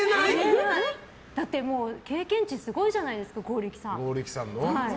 だって経験値すごいじゃないですか、剛力さん。